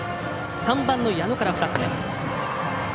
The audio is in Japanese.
３番の矢野から２つ目。